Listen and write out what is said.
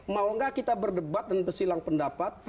mau nggak kita berdebat dan bersilang pendapat